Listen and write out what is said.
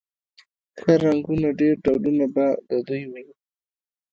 ښه رنګونه ډېر ډولونه به د دوی و